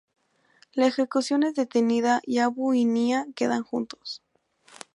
La ejecución es detenida, y Abu y Nya quedan juntos.